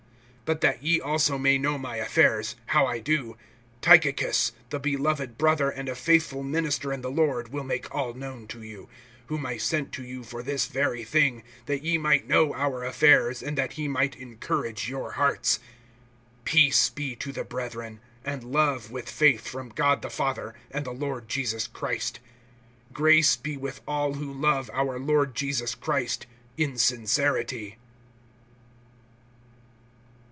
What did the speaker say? (21)But that ye also may know my affairs, how I do, Tychicus, the beloved brother and a faithful minister in the Lord, will make all known to you; (22)whom I sent to you for this very thing, that ye might know our affairs, and that he might encourage your hearts. (23)Peace be to the brethren, and love with faith, from God the Father, and the Lord Jesus Christ. (24)Grace be with all who love our Lord Jesus Christ in sincerity.